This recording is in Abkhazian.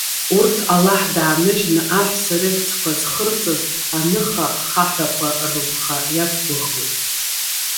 Урҭ Аллаҳ дааныжьны, аҳәса рыхьӡқәа зхырҵаз аныха хаҳәақәа рылԥха иақәгәыӷуеит.